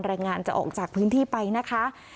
รายงานจะออกจากพื้นที่ไปนะคะ